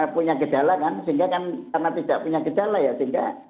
punya gejala kan sehingga kan karena tidak punya gejala ya sehingga